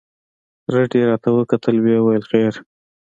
رډ يې راته وکتل ويې ويل خير.